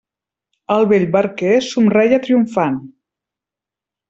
El vell barquer somreia triomfant.